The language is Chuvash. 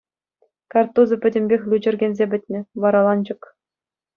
Карттусӗ пӗтӗмпех лӳчӗркенсе пӗтнӗ, вараланчӑк.